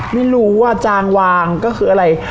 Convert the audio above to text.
ไม่รู้ว่าจางวางก็คืออะไร